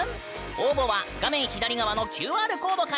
応募は画面左側のＱＲコードからアクセス！